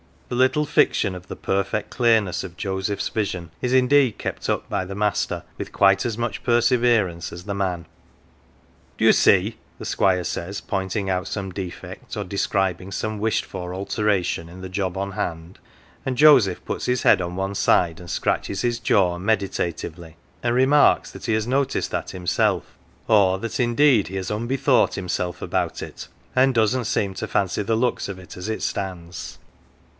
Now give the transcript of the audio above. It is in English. The little fiction of the perfect clearness of Joseph's vision is indeed kept up by the master with quite as much perseverance as the man. " Do you see ?" the Squire says, pointing out some defect, or describing some wished for alteration in the 181 ON THE OTHER SIDE job on hand ; and Joseph puts his head on one side and scratches his jaw meditatively, and remarks that he has noticed that himself, or that indeed he has unbethought himself about it, and doesn't seem to fancy the looks of it as it stands.